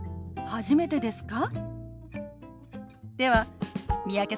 初めてですか？